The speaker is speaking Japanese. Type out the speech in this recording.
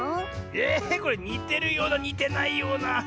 えこれにてるようなにてないような。